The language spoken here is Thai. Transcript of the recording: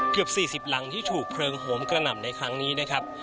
เกือบ๔๐หลังที่ถูกเพลิงโหมกระหน่ำในครั้งนี้นะครับ